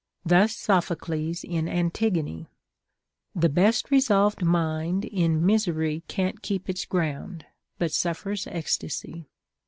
Thus Sophocles in Antigone :— The best resolved mind in misery Can't keep its ground, but suffers ecstasy.